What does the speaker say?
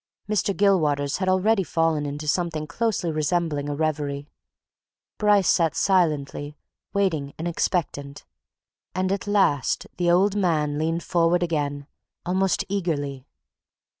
Mr. Gilwaters had already fallen into something closely resembling a reverie: Bryce sat silently waiting and expectant. And at last the old man leaned forward again, almost eagerly.